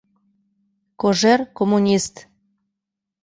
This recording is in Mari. Кожер — коммунист.